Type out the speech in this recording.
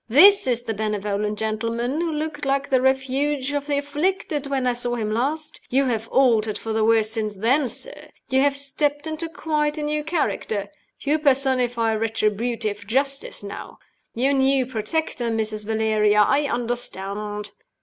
"This is the benevolent gentleman who looked like the refuge of the afflicted when I saw him last. You have altered for the worse since then, sir. You have stepped into quite a new character you personify Retributive Justice now. Your new protector, Mrs. Valeria I understand!"